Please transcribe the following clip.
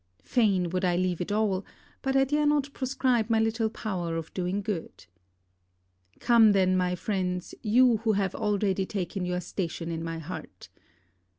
Fain would I leave it all, but I dare not proscribe my little power of doing good. Come then, my friends, you who have already taken your station in my heart!